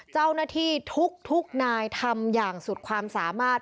เจ้าหน้าที่ทุกนายทำอย่างสุดความสามารถ